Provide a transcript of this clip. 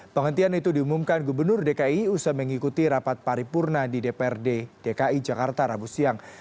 penghentian itu diumumkan gubernur dki usah mengikuti rapat paripurna di dprd dki jakarta rabu siang